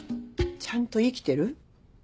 ちゃんと生きてる？